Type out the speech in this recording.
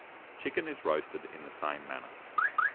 Chicken is roasted in the same manner.